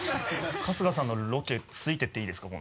春日さんのロケ付いていっていいですか？